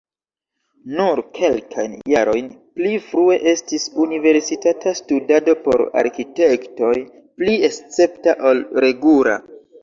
Nur kelkajn jarojn pli frue estis universitata studado por arkitektoj pli escepta ol regula.